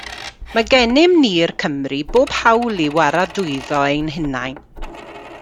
Mae gennym ni'r Cymry bob hawl i waradwyddo ein hunain.